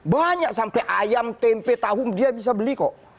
banyak sampai ayam tempe tahu dia bisa beli kok